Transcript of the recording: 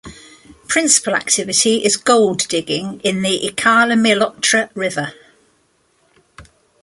Principal activity is gold digging in the Ikalamilotra river.